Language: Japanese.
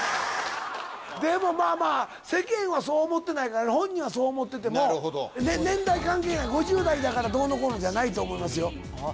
でもまあまあ世間はそう思ってないから本人はそう思ってても年代関係なく５０代だからどうのこうのじゃないと思いますよあっ